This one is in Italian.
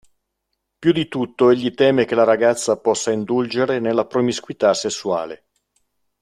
Più di tutto egli teme che la ragazza possa indulgere nella promiscuità sessuale.